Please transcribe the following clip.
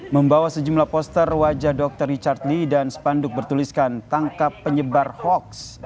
membawa sejumlah poster wajah dr richard lee dan spanduk bertuliskan tangkap penyebar hoax